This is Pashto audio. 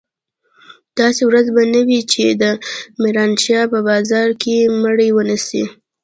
داسې ورځ به نه وي چې د ميرانشاه په بازار کښې مړي ونه سي.